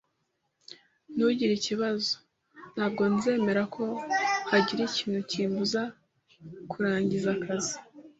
Ntugire ikibazo. Ntabwo nzemera ko hagira ikintu kimbuza kurangiza akazi